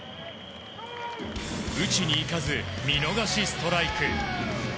打ちにいかず、見逃しストライク。